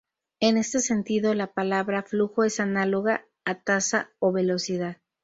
En este sentido, la palabra flujo es análoga a tasa o velocidad.